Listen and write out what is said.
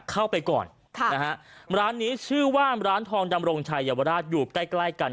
เข้าไปก่อนค่ะนะฮะร้านนี้ชื่อว่าร้านทองดำรงชายเยาวราชอยู่ใกล้ใกล้กัน